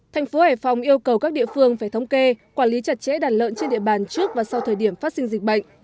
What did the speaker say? thành phố hải phòng yêu cầu các địa phương phải thống kê quản lý chặt chẽ đàn lợn trên địa bàn trước và sau thời điểm phát sinh dịch bệnh